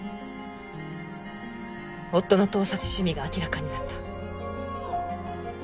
夫の盗撮趣味が明らかになった。